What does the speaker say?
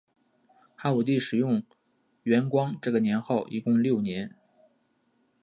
汉武帝使用元光这个年号一共六年。